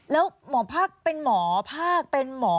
แล้วหมอภาคเป็นหมอภาคเป็นหมอ